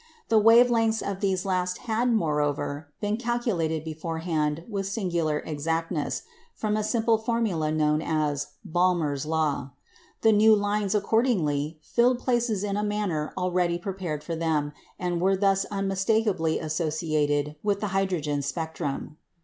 The wave lengths of these last had, moreover, been calculated beforehand with singular exactness, from a simple formula known as "Balmer's Law." The new lines, accordingly, filled places in a manner already prepared for them, and were thus unmistakably associated with the hydrogen spectrum.